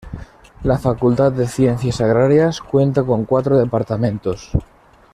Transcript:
La Facultad de Ciencias Agrarias cuenta con cuatro departamentos.